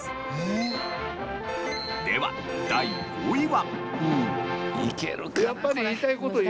では第５位は。